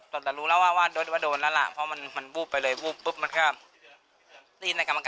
แต่รู้แล้วว่าโดนแล้วล่ะเพราะมันวูบไปเลยวูบปุ๊บมันก็